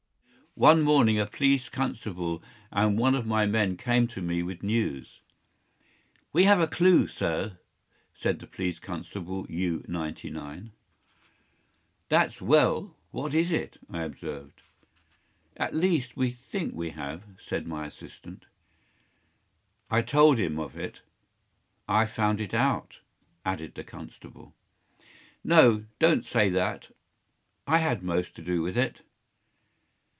One morning a police constable and one of my men came to me with news. “We have a clue, sir,” said police constable U 99. “That’s well. What is it?” I observed. “At least we think we have,” said my assistant. “I told him of it. I found it out,” added the constable. “No, don’t say that. I had most to do with it.